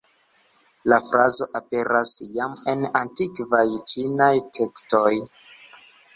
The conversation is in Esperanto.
La frazo aperas jam en antikvaj ĉinaj tekstoj.